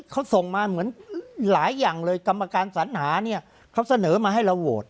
เขาส่งมาเหมือนหลายอย่างเลยกรรมการสัญหาเนี่ยเขาเสนอมาให้เราโหวต